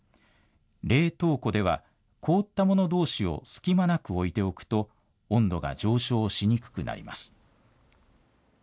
冷凍庫では凍ったものどうしを隙間なく置いておくと温度が上昇しにくくなります。